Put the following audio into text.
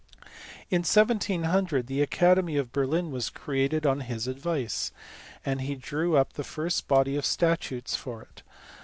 362 LEIBNITZ. In 1700 the Academy of Berlin was created on his advice, and he drew up the first body of statutes for it.